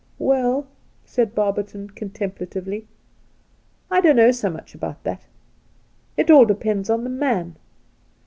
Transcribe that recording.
' Well,' said Barberton contemplatively, ' I don't know so much about that. It aU depends upon the man.